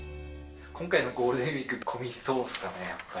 今回のゴールデンウィーク、混みそうですかね、やはり。